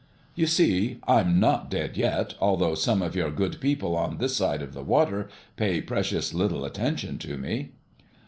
"You see I'm not dead yet, although some of your good people on this side of the water pay precious little attention to me."